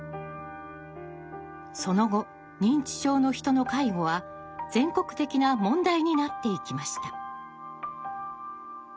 その後認知症の人の介護は全国的な問題になっていきました。